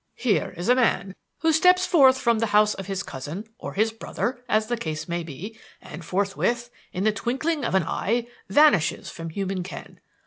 Here is a man who steps forth from the house of his cousin or his brother, as the case may be, and forthwith, in the twinkling of an eye, vanishes from human ken.